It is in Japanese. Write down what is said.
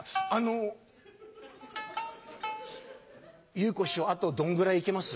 「祐子師匠あとどんぐらい生きます？」。